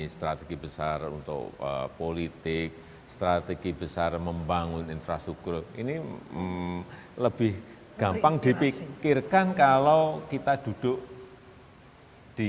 strategi besar untuk politik strategi besar membangun infrastruktur ini lebih gampang dipikirkan kalau kita duduk di